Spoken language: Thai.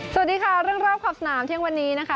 สวัสดีค่ะเรื่องรอบขอบสนามเที่ยงวันนี้นะคะ